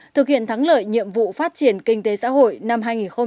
thực hiện thắng lợi nhiệm vụ phát triển kinh tế xã hội năm hai nghìn một mươi bảy